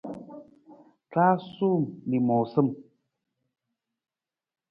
Rasam lamoosam.